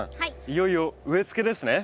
いよいよ植えつけですね。